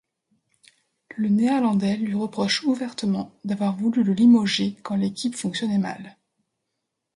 Le Néerlandais lui reproche ouvertement d'avoir voulu le limoger quand l'équipe fonctionnait mal.